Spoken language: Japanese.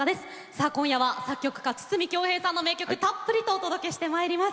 さあ今夜は作曲家筒美京平さんの名曲たっぷりとお届けしてまいります。